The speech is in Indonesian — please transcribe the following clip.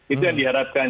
itu yang diharapkan